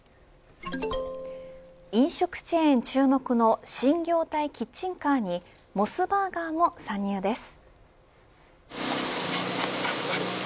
飲食チェーン注目の新業態キッチンカーにモスバーガーも参入です。